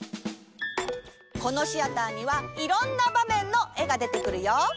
このシアターにはいろんなばめんのえがでてくるよ。